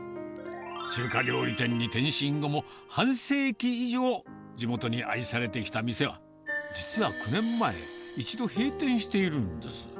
中華料理店に転身後も、半世紀以上、地元に愛されてきた店は、実は９年前、一度閉店しているんです。